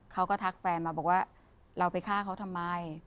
ทักแฟนมาบอกว่าเราไปฆ่าเขาทำไม